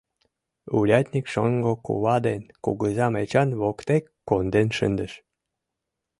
Урядник шоҥго кува ден кугызам Эчан воктек конден шындыш.